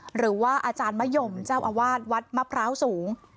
หรือว่าอาจารย์มะยมเจ้าอาวาสวัดมะพร้าวสูง